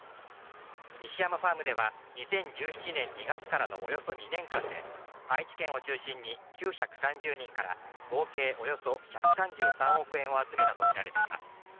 西山ファームでは２０１７年２月からのおよそ２年間で愛知県を中心に９３０人から合計およそ１３３億円を集めたとみられています。